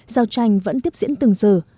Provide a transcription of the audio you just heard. giao tranh vẫn tiếp diễn từng giờ